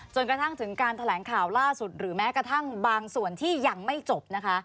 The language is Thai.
จนกระทั่งถึงการแถลงข่าวล่าสุดหรือแม้กระทั่งบางส่วนที่ยังไม่จบนะคะ